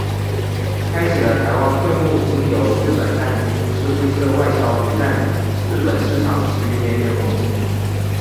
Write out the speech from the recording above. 开启了台湾桧木经由日本三菱株式会社外销独占日本市场十余年的荣景。